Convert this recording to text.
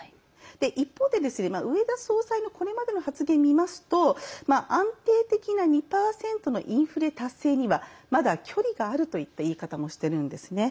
一方で、植田総裁のこれまでの発言を見ますと安定的な２％のインフレ達成にはまだ距離があるといった言い方もしてるんですね。